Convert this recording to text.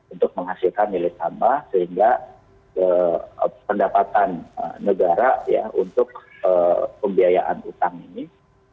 untuk menghasilkan nilai tambah sehingga pendapatan negara ya untuk pembiayaan utang ini